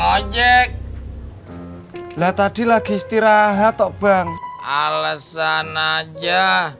ojek lah tadi lagi istirahat kok bang alasan aja